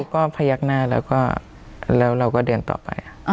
ครูก็พยักหน้าแล้วเราก็เดินต่อไป